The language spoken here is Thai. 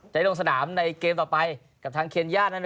จะได้ลงสนามในเกมต่อไปกับทางเคนย่าด